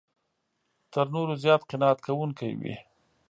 تر نورو زیات قناعت کوونکی وي.